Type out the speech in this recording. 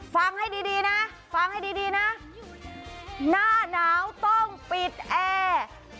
ฟังให้ดีดีนะฟังให้ดีนะหน้าหนาวต้องปิดแอร์